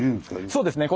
そうですね